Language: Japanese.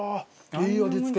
いい味付け！